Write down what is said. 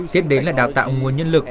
tiếp đến là đào tạo nguồn nhân lực